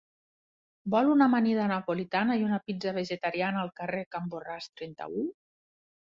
Vol una amanida napolitana i una pizza vegetariana al carrer Can Borràs trenta-u?